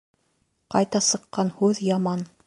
Ҡайта сыҡҡан һүҙ яман